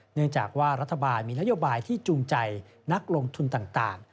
เนื่องจากว่ารัฐบาลมีนโยบายที่จูงใจนักลงทุนต่าง